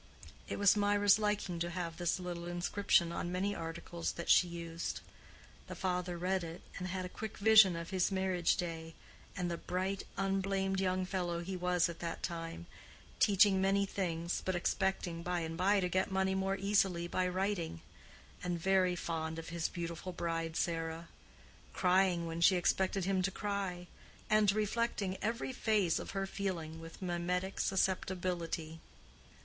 It was Mirah's liking to have this little inscription on many articles that she used. The father read it, and had a quick vision of his marriage day, and the bright, unblamed young fellow he was at that time; teaching many things, but expecting by and by to get money more easily by writing; and very fond of his beautiful bride Sara—crying when she expected him to cry, and reflecting every phase of her feeling with mimetic susceptibility.